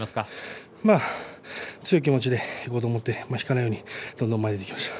強い気持ちでいこうと思って引かないでどんどん前にいきました。